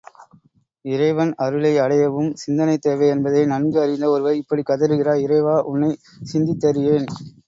இறைவன் அருளை அடையவும் சிந்தனை தேவை என்பதை நன்கு அறிந்த ஒருவர் இப்படிக் கதறுகிறார்— இறைவா, உன்னை சிந்தித்தறியேன்.